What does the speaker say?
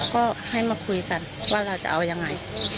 ก็ให้มาคุยกันว่าเราจะเอายังไง